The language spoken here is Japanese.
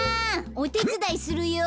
おてつだいするよ。